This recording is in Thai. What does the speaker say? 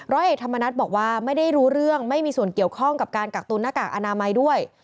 เอกธรรมนัฏบอกว่าไม่ได้รู้เรื่องไม่มีส่วนเกี่ยวข้องกับการกักตุนหน้ากากอนามัยด้วย